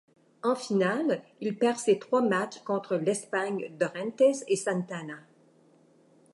En finale, il perd ses trois matchs contre l'Espagne d'Orantes et Santana.